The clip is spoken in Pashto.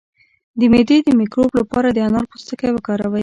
د معدې د مکروب لپاره د انار پوستکی وکاروئ